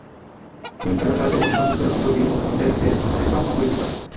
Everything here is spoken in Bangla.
এই এলাকা এবং সম্মুখের অঞ্চলটি মুজাহিদদের একদম অপরিচিত।